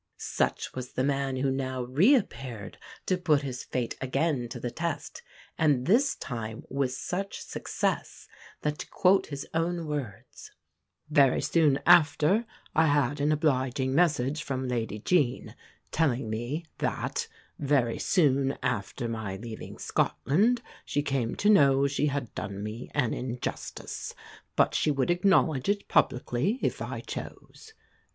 Such was the man who now reappeared to put his fate again to the test and this time with such success that, to quote his own words, "very soon after I had an obliging message from Lady Jean telling me that, very soon after my leaving Scotland, she came to know she had done me an injustice, but she would acknowledge it publicly if I chose.